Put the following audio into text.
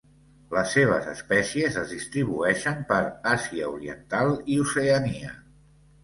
Les seves espècies es distribueixen per Àsia Oriental i Oceania.